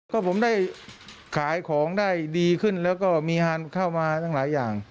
ก็ผมได้ขายของได้ดีขึ้นแล้วก็มีงานเข้ามาตั้งหลายอย่าง